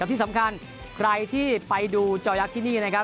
ที่สำคัญใครที่ไปดูจอยักษ์ที่นี่นะครับ